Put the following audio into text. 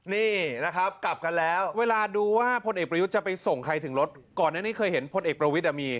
นี่นะครับกลับกันแล้วเวลาดูว่าพลเอกประยุทธ์จะไปส่งใครถึงรถก่อนอันนี้เคยเห็นพลเอกประวิทย์มี